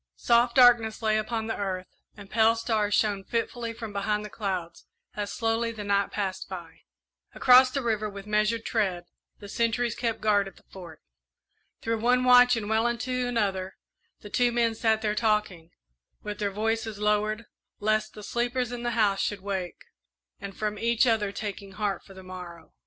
Soft darkness lay upon the earth, and pale stars shone fitfully from behind the clouds as slowly the night passed by. Across the river, with measured tread, the sentries kept guard at the Fort. Through one watch and well into another the two men sat there talking, with their voices lowered, lest the sleepers in the house should wake, and from each other taking heart for the morrow.